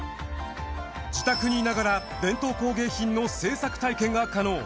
自宅にいながら伝統工芸品の制作体験が可能。